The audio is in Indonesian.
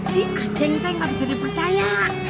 si aceng teh nggak bisa dipercaya